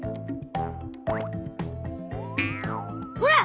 ほら！